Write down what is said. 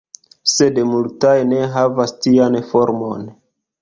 Sed multaj ne havas tian formon.